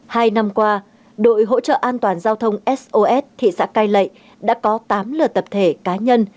hai năm qua đội hỗ trợ an toàn giao thông sos thị xã cai lệ đã có tám lửa tập thể cá nhân